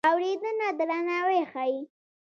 اورېدنه درناوی ښيي.